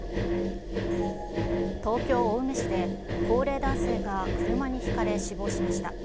東京・青梅市で、高齢男性が車にひかれ死亡しました。